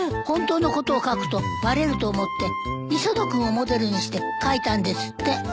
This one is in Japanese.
本当のことを書くとバレると思って磯野君をモデルにして書いたんですって。